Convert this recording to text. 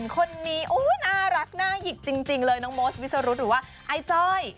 คนนี้น่ารักน่าหยิกจริงเลยน้องโมสวิสรุธหรือว่าไอ้จ้อย